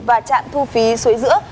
và trạm thu phí suối giữa